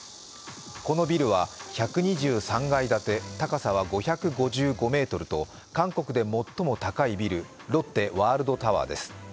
このビルは１２３階建て高さは５５５ｍと韓国で最も高いビル、ロッテワールドタワーです。